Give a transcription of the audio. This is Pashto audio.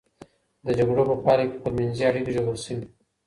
د جګړو په پایله کي خپلمنځي اړيکې ژوبل سوې.